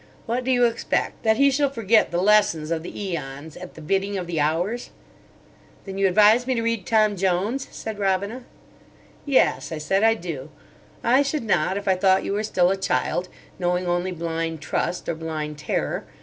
What do you expect? That he shall forget the lessons of the æons at the bidding of the hours?" "Then you advise me to read 'Tom Jones'?" said Robina. "Yes," I said, "I do. I should not if I thought you were still a child, knowing only blind trust, or blind terror.